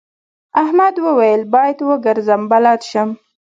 احمد وويل: باید وګرځم بلد شم.